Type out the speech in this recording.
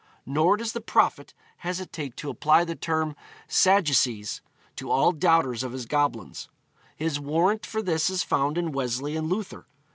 Nor does the Prophet hesitate to apply the term 'Sadducees' to all doubters of his goblins. His warrant for this is found in Wesley and Luther.